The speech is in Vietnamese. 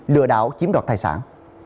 lừa đảo chiếm đoạt tài sản